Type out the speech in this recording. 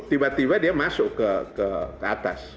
tiba tiba dia masuk ke atas